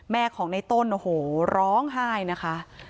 แม่ของในต้นโอ้โหร้องไห้นะคะ